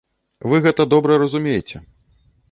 Вы гэта добра разумееце.